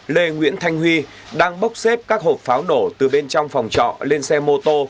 lê nguyễn thanh huy đang bốc xếp các hộp pháo nổ từ bên trong phòng trọ lên xe mô tô